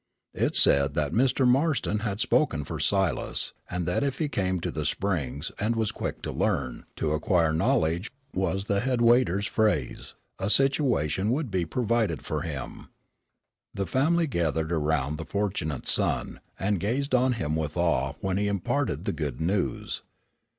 It said that Mr. Marston had spoken for Silas, and that if he came to the Springs, and was quick to learn, "to acquire knowledge," was the head waiter's phrase, a situation would be provided for him. The family gathered around the fortunate son, and gazed on him with awe when he imparted the good news.